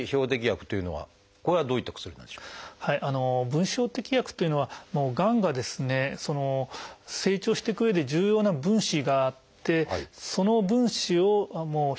分子標的薬というのはがんがですね成長していくうえで重要な分子があってその分子を標的にする。